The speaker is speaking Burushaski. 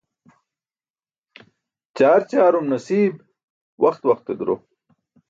Ćaar ćaarum nasiib, waxt waxte duro.